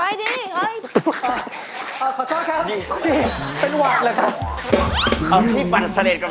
เอาที่ฝันเสล็ดกว่าวิฟทร์